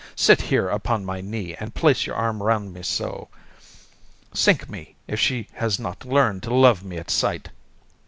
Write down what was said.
Sit here upon my knee, and place your arm round me so. Sink me, if she has not learned to love me at sight!